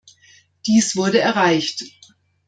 Dies wurde erreicht.